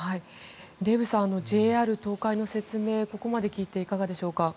デーブさん、ＪＲ東海の説明を聞いていかがでしょうか。